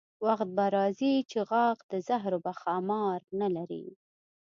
وخت به راځي چې غاښ د زهرو به ښامار نه لري.